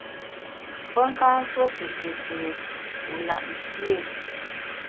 Pe nka nsuo tù kùsù wu lap nsié ?